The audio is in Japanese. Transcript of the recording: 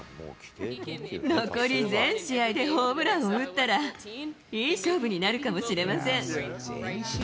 残り全試合でホームランを打ったら、いい勝負になるかもしれません。